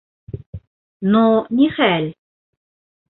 Ну, нихәл!